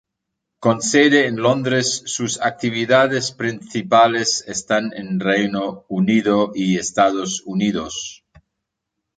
Con sede en Londres, sus actividades principales están en Reino Unido y Estados Unidos.